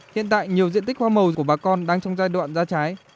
hiện tại nhiều diện tích hoa màu của bà con đang trong giai đoạn ra trái